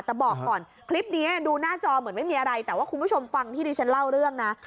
แต่บอกก่อนคลิปนี้ดูหน้าจอเหมือนไม่มีอะไรแต่ว่าคุณผู้ชมฟังที่ดิฉันเล่าเรื่องนะ